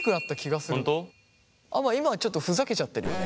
まあ今はちょっとふざけちゃってるよね